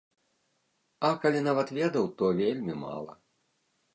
А калі нават ведаў, то вельмі мала.